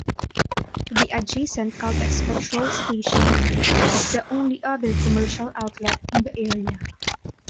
The adjacent Caltex petrol station is the only other commercial outlet in the area.